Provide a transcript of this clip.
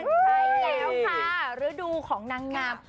ใช่แล้วค่ะฤดูของนางงาม